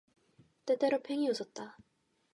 때때로 팽이 웃었다.